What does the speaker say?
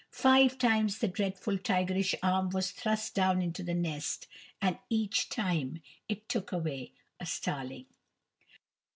Five times the dreadful tigerish arm was thrust down into the nest, and each time it took away a starling.